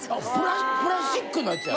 プラスチックのやつや。